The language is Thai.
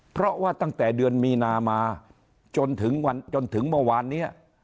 เพราะว่าตั้งแต่เดือนมีนามาจนถึงวันจนถึงเมื่อวานนี้